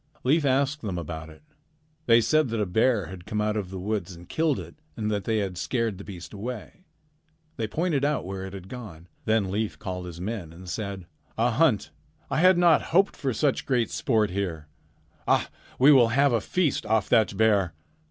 "Leif asked them about it. They said that a bear had come out of the woods and killed it, and that they had scared the beast away. They pointed out where it had gone. Then Leif called his men and said: "'A hunt! I had not hoped for such great sport here. Ah, we will have a feast off that bear!'